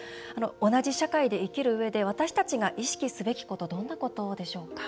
同じ社会で生きるうえで私たちが意識すべきことどんなことでしょうか？